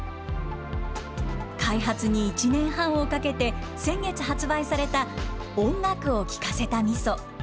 開発に１年半をかけて、先月発売された音楽を聴かせたみそ。